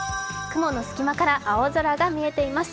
雲のすき間から青空が見えています。